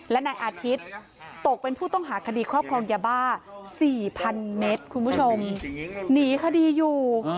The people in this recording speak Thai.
และนายอาทิตย์ตกเป็นผู้ต้องหาคดีครอบครองยาบ้า๔๐๐๐เมตรคุณผู้ชมหนีคดีอยู่